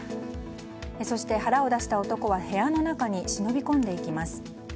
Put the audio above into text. そして、腹を出した男は部屋の中に忍び込んでいきます。